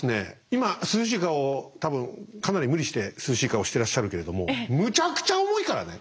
今涼しい顔多分かなり無理して涼しい顔してらっしゃるけれどもむちゃくちゃ重いからね！